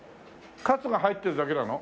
カツが入ってるだけなの？